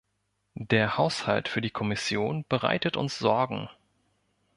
Der Haushalt für die Kommission bereitet uns Sorgen.